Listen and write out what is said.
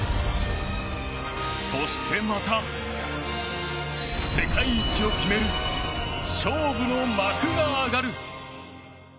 そしてまた、世界一を決める勝負の幕が上がる。